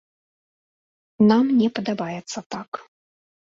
Нам не падабаецца так.